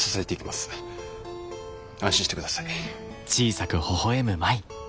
安心してください。